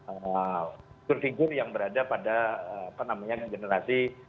kita mungkin akan lebih menajamkan pada figur figur yang berada pada apa namanya generasi